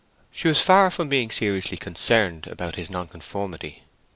She was far from being seriously concerned about his nonconformity.